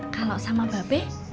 kalau sama mbak be